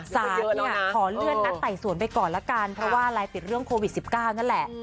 สารเนี่ยขอเลื่อนนัดไต่สวนไปก่อนละกันเพราะว่าอะไรติดเรื่องโควิด๑๙นั่นแหละ